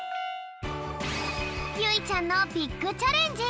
ゆいちゃんのビッグチャレンジ